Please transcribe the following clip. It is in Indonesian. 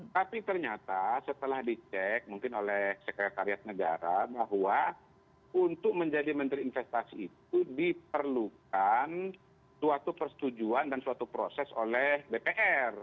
tapi ternyata setelah dicek mungkin oleh sekretariat negara bahwa untuk menjadi menteri investasi itu diperlukan suatu persetujuan dan suatu proses oleh dpr